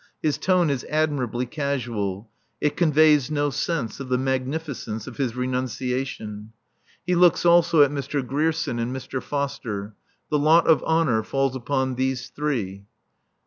His tone is admirably casual; it conveys no sense of the magnificence of his renunciation. He looks also at Mr. Grierson and Mr. Foster. The lot of honour falls upon these three.